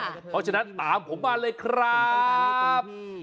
เพราะฉะนั้นตามผมมาเลยครับ